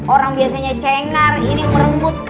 orang biasanya cengar ini merebut